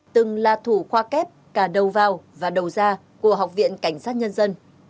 từng là thủ khoa kép cả đầu vào và đầu ra của học viện cảnh sát nhân dân